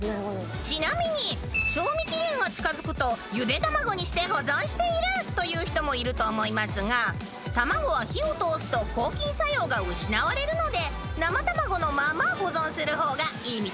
［ちなみに賞味期限が近づくとゆで卵にして保存しているという人もいると思いますが卵は火を通すと抗菌作用が失われるので生卵のまま保存する方がいいみたいですよ］